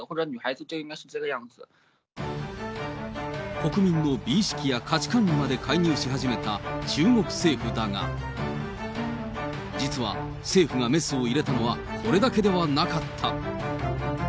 国民の美意識や価値観にまで介入し始めた中国政府だが、実は政府がメスを入れたのは、これだけではなかった。